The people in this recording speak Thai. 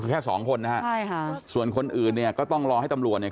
แค่สองคนนะฮะใช่ค่ะส่วนคนอื่นเนี่ยก็ต้องรอให้ตำรวจเนี่ย